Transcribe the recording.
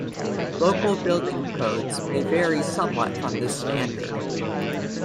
Local building codes may vary somewhat from this standard.